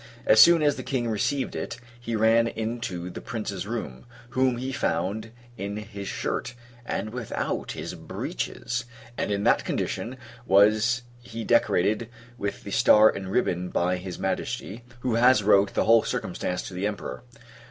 As soon as the King received it, he ran into the Prince's room; whom he found in his shirt, and without his breeches: and, in that condition, was he decorated with the star and ribbon by his Majesty, who has wrote the whole circumstance to the Emperor.